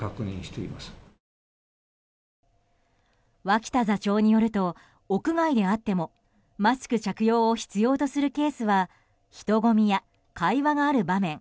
脇田座長によると屋外であってもマスク着用を必要とするケースは人混みや会話がある場面